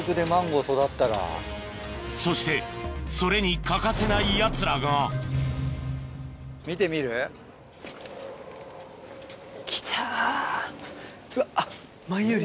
そしてそれに欠かせないやつらがうわあっ。